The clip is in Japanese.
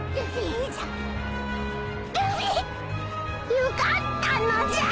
よかったのじゃあ。